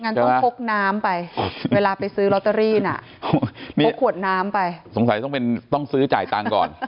ต้องพกน้ำไปเวลาไปซื้อลอตเตอรี่น่ะพกขวดน้ำไปสงสัยต้องเป็นต้องซื้อจ่ายตังค์ก่อน